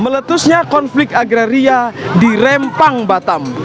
meletusnya konflik agraria di rempang batam